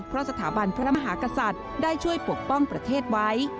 เพราะสถาบันพระมหากษัตริย์ได้ช่วยปกป้องประเทศไว้